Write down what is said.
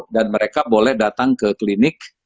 dan mereka boleh datang ke klinik